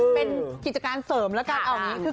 เป็นกิจการเสริมแล้วกัน